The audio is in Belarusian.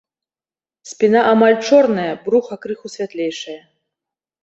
Спіна амаль чорная, бруха крыху святлейшае.